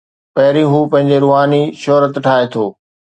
پهرين هو پنهنجي روحاني شهرت ٺاهي ٿو.